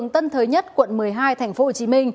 tân thới nhất quận một mươi hai tp hcm